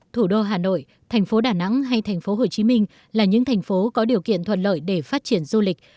thủ đô hà nội thành phố đà nẵng hay thành phố hồ chí minh là những thành phố có điều kiện thuận lợi để phát triển du lịch